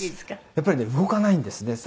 「やっぱりね動かないんですね」